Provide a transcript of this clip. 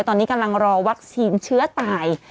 ตอนนี้กำลังรอวัคซีนเชื้อตาย